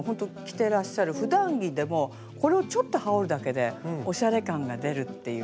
てらっしゃるふだん着でもこれをちょっと羽織るだけでおしゃれ感が出るっていうね